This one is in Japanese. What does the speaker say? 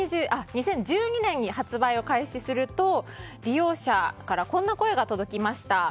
２０１２年に発売を開始すると利用者からこんな声が届きました。